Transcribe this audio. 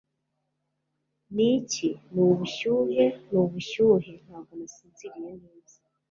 niki nubushyuhe nubushuhe, ntabwo nasinziriye neza